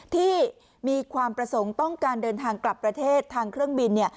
ที่มีความประสงค์ต้องการเดินทางกลับประเทศทางเครื่องบินเนี่ย